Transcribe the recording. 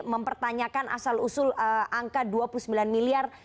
mempertanyakan asal usul angka dua puluh sembilan miliar